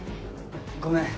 ごめん。